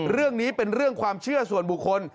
เรื่องนี้เป็นเรื่องความเชื่อส่วนบุคคล